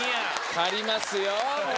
狩りますよ。